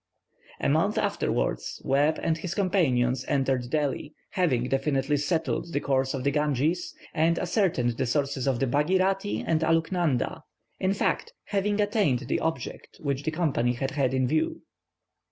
A month afterwards, Webb and his companions entered Delhi, having definitely settled the course of the Ganges, and ascertained the sources of the Baghirati and Aluknanda; in fact, having attained the object which the Company had had in view.